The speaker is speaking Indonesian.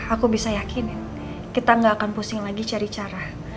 aku bisa yakinin kita gak akan pusing lagi cari cara